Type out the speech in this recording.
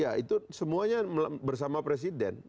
ya itu semuanya bersama presiden